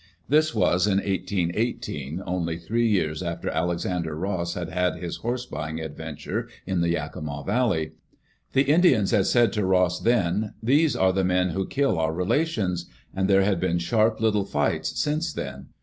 This was in 1818, only three years after Alexander Ross had had his horse buying adventure in the Yakima Valley. The Indians had said to Ross then, "These are the men who kill our relations," and there had been sharp little fights since then.